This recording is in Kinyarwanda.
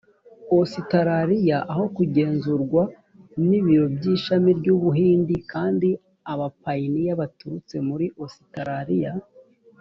ositaraliya aho kugenzurwa n ibiro by ishami by u buhindi kandi abapayiniya baturutse muri ositaraliya